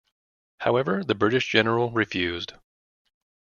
However, the British general refused.